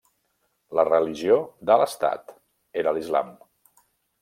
La religió de l'Estat era l'islam.